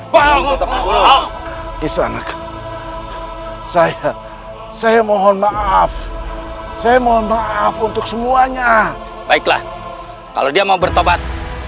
kami ini semua sudah bertobat